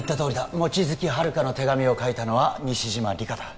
望月遙の手紙を書いたのは西島里佳だ